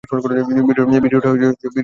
ভিডিওটা চালু কর।